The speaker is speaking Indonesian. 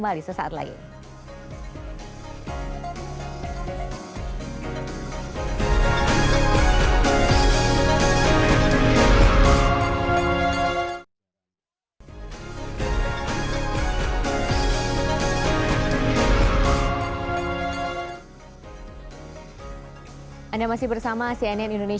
bagaimana tanggapan dewas